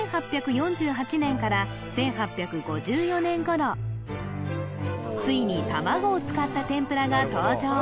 １８４８年から１８５４年頃ついに卵を使った天ぷらが登場